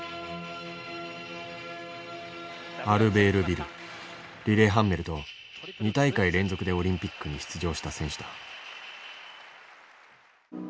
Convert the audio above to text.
アルベールビルリレハンメルと２大会連続でオリンピックに出場した選手だ。